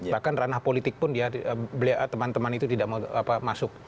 bahkan ranah politik pun teman teman itu tidak mau masuk